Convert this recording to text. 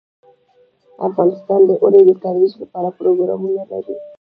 افغانستان د اوړي د ترویج لپاره پروګرامونه لري.